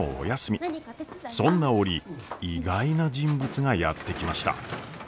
そんな折意外な人物がやって来ました。